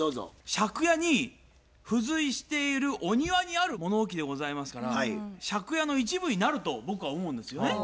借家に付随しているお庭にある物置でございますから借家の一部になると僕は思うんですよね。